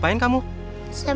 kemana kalau udah besar